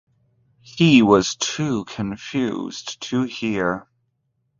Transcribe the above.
He was too confused to hear.